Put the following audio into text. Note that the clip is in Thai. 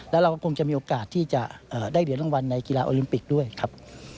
แล้วเราก็คงจะมีโอกาสที่จะได้เหรียญรางวัลในกีฬาโอลิมปิกด้วยครับ